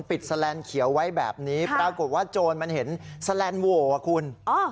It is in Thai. ปิดสแลนด์เขียวไว้แบบนี้ปรากฏว่าโจรฮะมันเห็นสแลนด์โหวะคุณ